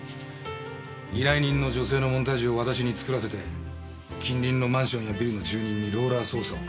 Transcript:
依頼人の女性のモンタージュを私に作らせて近隣のマンションやビルの住人にローラー捜査をかける。